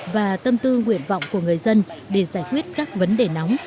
và tâm tư nguyện vọng của người dân để giải quyết các vấn đề nóng